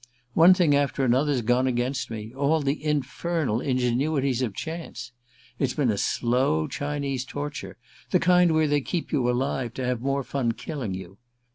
One thing after another's gone against me; all the infernal ingenuities of chance. It's been a slow Chinese torture, the kind where they keep you alive to have more fun killing you."